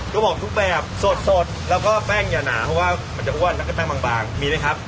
ก็บอกทุกแบบสดแล้วก็แป้งอย่าหนาเพราะว่ามันจะอ้วนแล้วก็แป้งบางมีไหมครับ